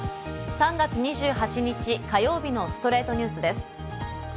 ３月２８日、火曜日の『ストレイトニュース』です。